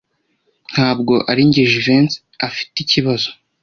Ntabwo arinjye Jivency afite ikibazo.